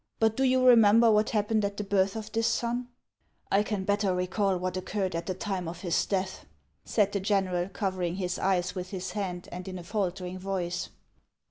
But do you remember what happened at the birth of this son ?"" I can better recall what occurred at the time of his death," said the general, covering his eyes with his hand, and in a faltering voice.